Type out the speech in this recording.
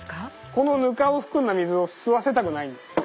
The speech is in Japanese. この糠を含んだ水を吸わせたくないんです。